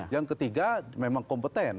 yang ketiga memang kompeten